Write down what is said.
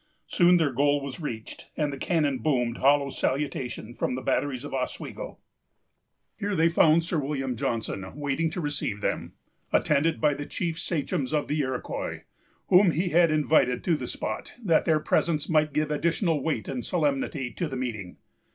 Soon their goal was reached, and the cannon boomed hollow salutation from the batteries of Oswego. Here they found Sir William Johnson waiting to receive them, attended by the chief sachems of the Iroquois, whom he had invited to the spot, that their presence might give additional weight and solemnity to the meeting.